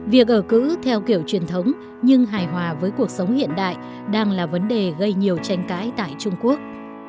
việc ở cứ theo kiểu truyền thống nhưng hài hòa với cuộc sống hiện đại đang là vấn đề gây nhiều tranh cãi tại trung quốc